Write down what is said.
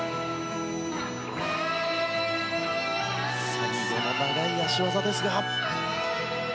最後の長い脚技ですが。